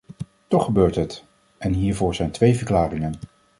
Toch gebeurt het, en hiervoor zijn twee verklaringen.